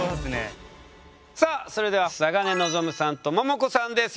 さあそれでは嵯峨根望さんとももこさんです。